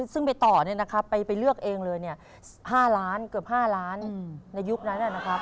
ซึ่งไปต่อเนี่ยนะครับไปเลือกเองเลยเนี่ย๕ล้านเกือบ๕ล้านในยุคนั้นนะครับ